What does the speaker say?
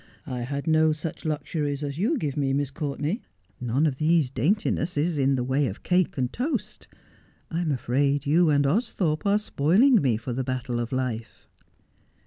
I had no such luxuries as you give me, Miss Courtenay, none of these daintinesses in the way of cake and toast. I am afraid you and Austhorpe are spoiling me for the battle of life.'